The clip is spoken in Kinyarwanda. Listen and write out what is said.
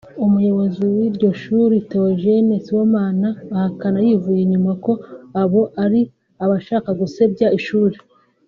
Umuyobozi w’iryo shuri Theogene Sibomana ahakana yivuye inyuma ko abo ari abashaka gusebya ishuri